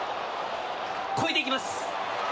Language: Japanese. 越えていきます。